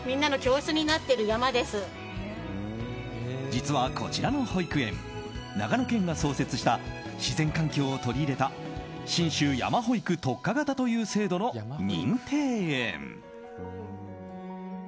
実は、こちらの保育園長野県が創設した自然環境を取り入れた信州やまほいく特化型という制度の認定園。